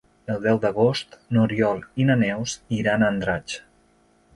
El deu d'agost n'Oriol i na Neus iran a Andratx.